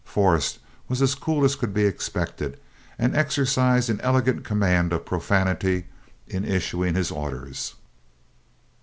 Forrest was as cool as could be expected, and exercised an elegant command of profanity in issuing his orders.